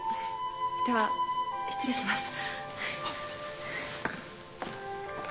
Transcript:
では失礼します。